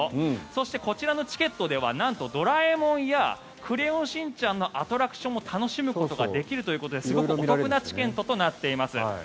そしてこちらのチケットではなんと「ドラえもん」や「クレヨンしんちゃん」のアトラクションも楽しむことができるということですごくお得なチケットとなっています。